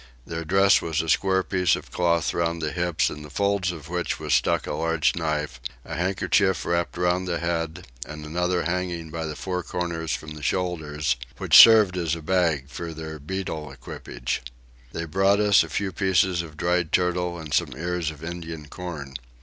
Their dress was a square piece of cloth round the hips in the folds of which was stuck a large knife; a handkerchief wrapped round the head, and another hanging by the four corners from the shoulders, which served as a bag for their betel equipage. They brought us a few pieces of dried turtle and some ears of Indian corn.